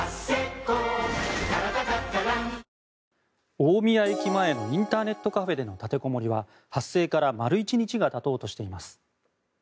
大宮駅前のインターネットカフェでの立てこもりは発生から丸１日が経とうとしています。